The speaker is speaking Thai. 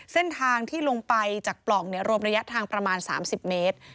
เส้นทางที่ลงไปจากปล่องรวมระยะทางประมาณ๓๐เมตร